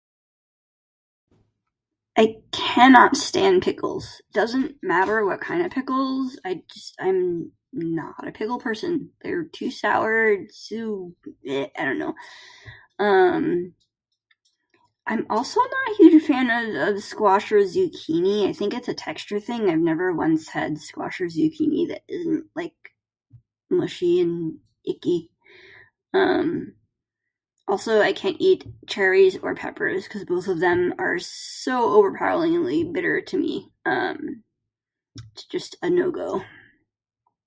I cannot stand pickles. Doesn't matter what kind of pickles, I just... I'm not a pickle person. They're too sour, too... eh, I dunno. Um, I'm also not a huge of fan of squash or zucchini, I think its a texture thing. I've never once had squash or zucchini that isn't, like, mushy and icky. Um, also, I cant eat cherries or peppers cuz both of them are so overpoweringly bitter to me. Um, it's just a no-go.